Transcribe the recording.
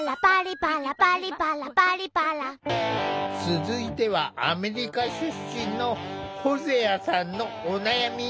続いてはアメリカ出身のホゼアさんのお悩み。